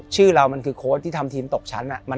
ชื่อเรามันคือโค้ชที่ทำทีมตกชั้น